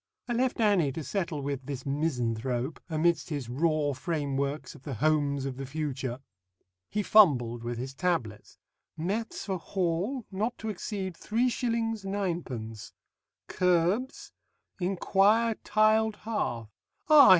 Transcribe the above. I left Annie to settle with this misanthrope, amidst his raw frameworks of the Homes of the Future." He fumbled with his tablets. "Mats for hall not to exceed 3s. 9d.... Kerbs ... inquire tiled hearth ... Ah!